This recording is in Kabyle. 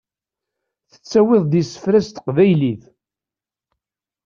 Tettawiḍ-d isefra s teqbaylit.